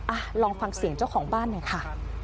อ่ะลองฟังเสียงเจ้าของบ้านหน่อยค่ะ